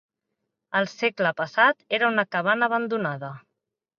Al segle passat era una cabana abandonada.